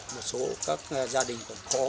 một số các gia đình còn khó